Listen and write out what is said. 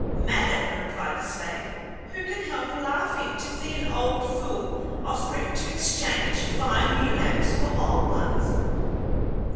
"Madam," replied the slave, "who can help laughing to see an old fool offering to exchange fine new lamps for old ones?"